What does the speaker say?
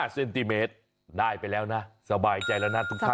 เซนติเมตรได้ไปแล้วนะสบายใจแล้วนะทุกท่าน